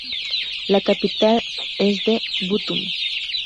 La capital es The Bottom.